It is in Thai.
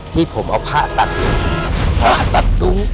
ที่ผมเอาผ้าตัดลูน